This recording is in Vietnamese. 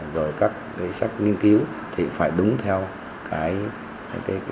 rồi các cái sách nghiên cứu thì phải đúng theo cái vật bản quyền